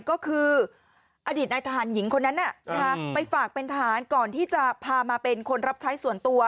ก็คืออดีตนายทหารหญิงคนนั้นไปฝากเป็นทหารก่อนที่จะพามาเป็นคนรับใช้ส่วนตัว